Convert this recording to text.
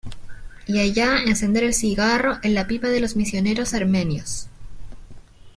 y allá encender el cigarro en la pipa de los misioneros armenios.